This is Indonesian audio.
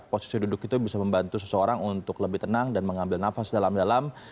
posisi duduk itu bisa membantu seseorang untuk lebih tenang dan mengambil nafas dalam dalam